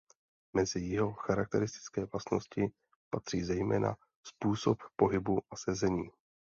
Mezi jeho charakteristické vlastnosti patří zejména způsob pohybu a sezení.